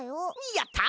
やった！